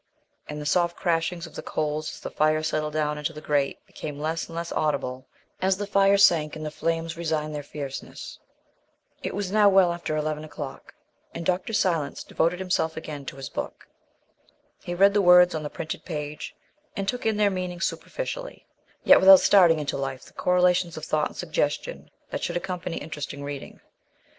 And the soft crashings of the coals as the fire settled down into the grate became less and less audible as the fire sank and the flames resigned their fierceness. It was now well after eleven o'clock, and Dr. Silence devoted himself again to his book. He read the words on the printed page and took in their meaning superficially, yet without starting into life the correlations of thought and suggestion that should accompany interesting reading.